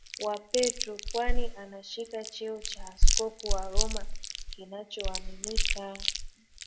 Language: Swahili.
wa Petro kwani anashika cheo cha Askofu wa Roma kinachoaminika